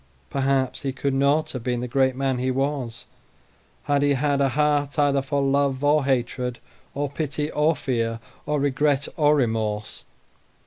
Perhaps he could not have been the great man he was, had he had a heart either for love or hatred, or pity or fear, or regret or remorse.